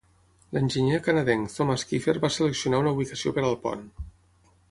L'enginyer canadenc Thomas Keefer va seleccionar una ubicació per al pont.